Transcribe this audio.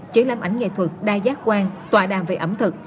chỉ làm ảnh nghệ thuật đa giác quan tòa đàm về ẩm thực